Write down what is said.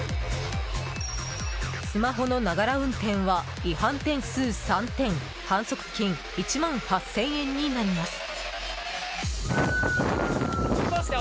スマホのながら運転は違反点数３点反則金１万８０００円になります。